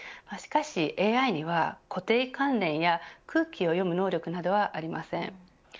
しかしＡＩには固定観念や空気を読む能力などはありません。